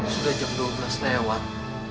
sudah jam dua belas lewat